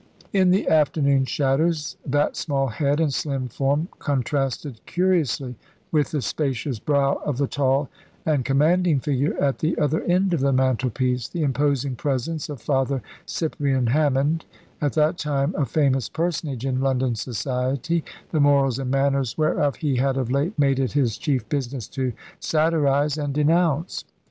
In the afternoon shadows that small head and slim form contrasted curiously with the spacious brow of the tall and commanding figure at the other end of the mantelpiece, the imposing presence of Father Cyprian Hammond, at that time a famous personage in London society, the morals and manners whereof he had of late made it his chief business to satirise and denounce.